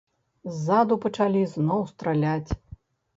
Ззаду пачалі зноў страляць.